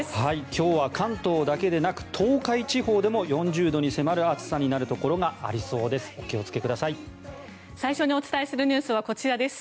今日は関東だけでなく東海地方でも４０度に迫る暑さになるところがありそうです。